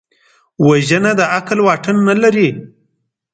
وژنه د عقل واټن نه لري